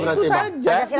nah itu saja